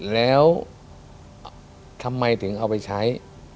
แล้วทำไมถึงเอาไปใช้